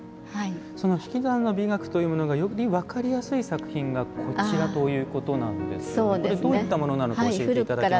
引き算の美学がより分かりやすい作品がこちらということなんですがどういったものなのか教えていただけますか。